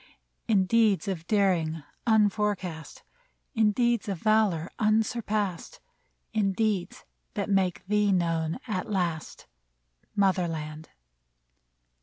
159 AMERICA In deeds of daring unforecast, In deeds of valor unsurpassed, In deeds that make thee known at last, Mother land